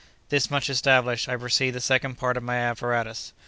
"This much established, I proceed to the second part of my apparatus.